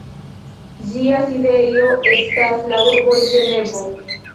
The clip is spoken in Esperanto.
Ĝia sidejo estas la urbo Ĝenevo.